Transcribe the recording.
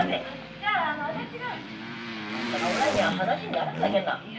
・じゃあ私が。あんたがおらんにゃ話にならんなけんな。